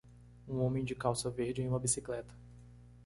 um homem de calça verde em uma bicicleta.